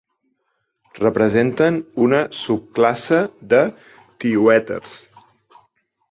Representen una subclasse de tioèters.